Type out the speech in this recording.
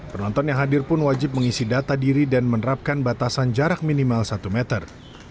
penonton yang hadir pun wajib mengisi data diri dan menerapkan batasan jarak minimal satu meter